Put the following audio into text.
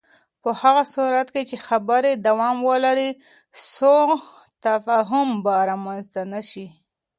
په هغه صورت کې چې خبرې دوام ولري، سوء تفاهم به رامنځته نه شي.